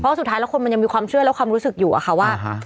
เพราะสุดท้ายแล้วคนมันยังมีความเชื่อและความรู้สึกอยู่อะค่ะว่า